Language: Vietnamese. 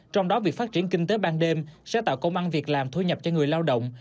trong đó việc phát triển kinh tế ban đêm sẽ tạo công an việc làm thu nhập cho người lao động